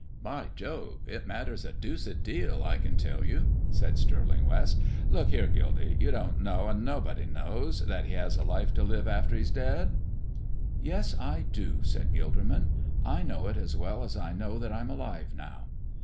"By Jove! it matters a deuced deal, I can tell you," said Stirling West. "Look here, Gildy, you don't know, and nobody knows, that he has a life to live after he's dead." "Yes, I do," said Gilderman; "I know it as well as I know that I'm alive now."